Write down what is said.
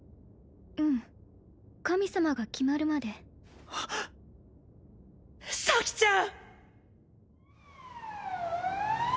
うん神様が決まるまで咲ちゃん！